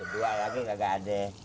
dua lagi gagak ada